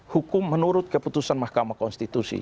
hukum menurut keputusan mahkamah konstitusi